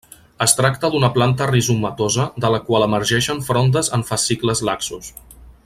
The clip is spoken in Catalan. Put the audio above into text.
Es tracta d'una planta rizomatosa de la qual emergeixen frondes en fascicles laxos.